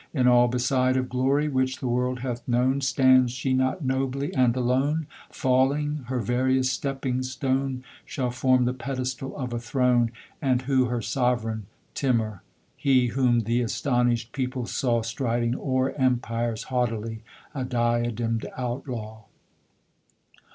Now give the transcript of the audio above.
in all beside Of glory which the world hath known Stands she not nobly and alone? Falling her veriest stepping stone Shall form the pedestal of a throne And who her sovereign? Timour he Whom the astonished people saw Striding o'er empires haughtily A diadem'd outlaw!